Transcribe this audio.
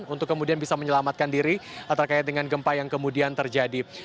untuk kemudian bisa menyelamatkan diri terkait dengan gempa yang kemudian terjadi